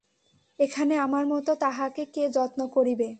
এখানে আমার মতো তাঁহাকে কে যত্ন করিবে?